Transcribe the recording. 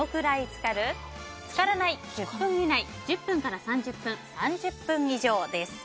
つからない、１０分以内１０分から３０分３０分以上です。